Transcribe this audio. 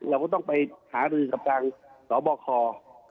เราก็ต้องไปหารือกับทางสบค